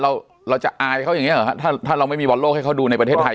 เราจะอายเขาอย่างเงี้เหรอฮะถ้าถ้าเราไม่มีบอลโลกให้เขาดูในประเทศไทย